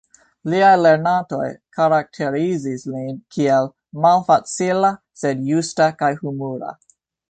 Liaj lernantoj karakterizis lin kiel "malfacila, sed justa kaj humura.